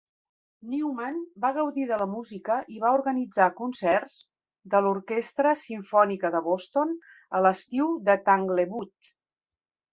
Newman va gaudir de la música i va organitzar concerts de l'Orquestra simfònica de Boston a l'estiu de Tanglewood.